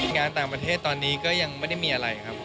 งานต่างประเทศตอนนี้ก็ยังไม่ได้มีอะไรครับ